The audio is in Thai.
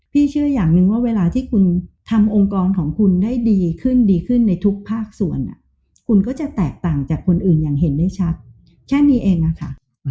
เชื่ออย่างหนึ่งว่าเวลาที่คุณทำองค์กรของคุณได้ดีขึ้นดีขึ้นในทุกภาคส่วนคุณก็จะแตกต่างจากคนอื่นอย่างเห็นได้ชัดแค่นี้เองอะค่ะ